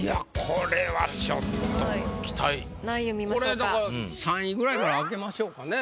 これだから３位ぐらいから開けましょうかね。